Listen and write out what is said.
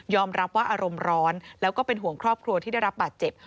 รับว่าอารมณ์ร้อนแล้วก็เป็นห่วงครอบครัวที่ได้รับบาดเจ็บ